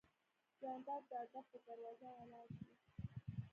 جانداد د ادب په دروازه ولاړ دی.